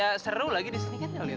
iya seru lagi di sini kan kalau lihat